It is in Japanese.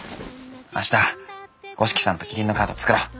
明日五色さんとキリンのカード作ろう。